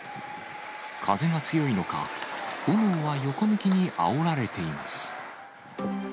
風が強いのか、炎は横向きにあおられています。